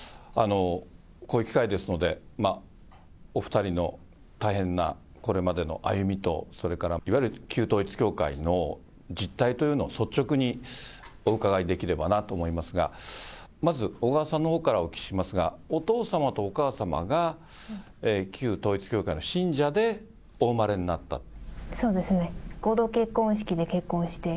こういう機会ですので、まあ、お２人の大変なこれまでの歩みと、それからいわゆる旧統一教会の実態というのを率直にお伺いできればなと思いますが、まず、小川さんのほうからお聞きしますが、お父様とお母様が、旧統一教会の信者でお生まれになったと。